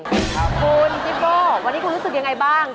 คุณพี่โอเวทยุ่งคุณลูกฐานคุณรู้สึกอย่างไรบ้าง